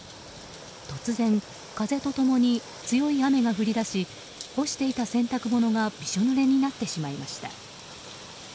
突然、風と共に強い雨が降り出し干していた洗濯物がびしょぬれになってしまいました。